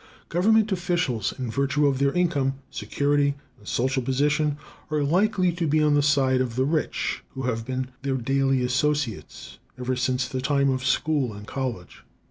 Government officials, in virtue of their income, security, and social position, are likely to be on the side of the rich, who have been their daily associates ever since the time of school and college.